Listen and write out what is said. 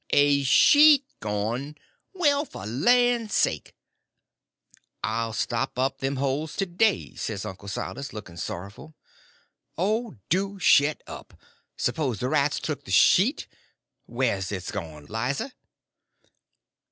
"A sheet gone! Well, for the land's sake!" "I'll stop up them holes to day," says Uncle Silas, looking sorrowful. "Oh, do shet up!—s'pose the rats took the sheet? Where's it gone, Lize?"